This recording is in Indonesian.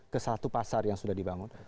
ke satu pasar yang sudah dibangun